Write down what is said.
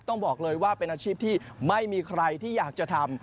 ต้องบอกเลยว่าเป็นอาชีพที่ไม่มีใครที่อยากจะทำ